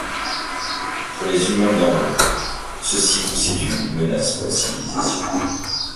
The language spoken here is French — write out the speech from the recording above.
Pour les humains normaux, ceux-ci constituent une menace pour la civilisation.